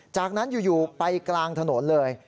จากนั้นอยู่ไปกลางถนนเลย